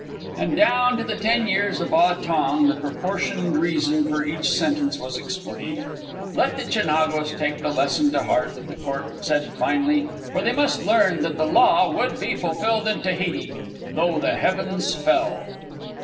And down to the ten years of Ah Tong, the proportioned reason for each sentence was explained. Let the Chinagos take the lesson to heart, the Court said finally, for they must learn that the law would be fulfilled in Tahiti though the heavens fell.